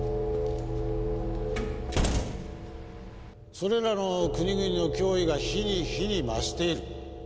それらの国々の脅威が日に日に増している。